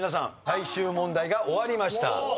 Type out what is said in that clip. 最終問題が終わりました。